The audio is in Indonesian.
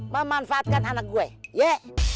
memanfaatkan anak gue ya